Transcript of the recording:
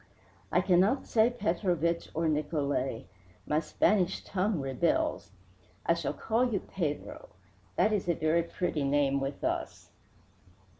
"I cannot say Petrovich or Nicolai my Spanish tongue rebels. I shall call you Pedro. That is a very pretty name with us."